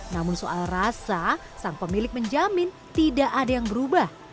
namun soal rasa sang pemilik menjamin tidak ada yang berubah